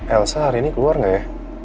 elsa hari ini keluar nggak ya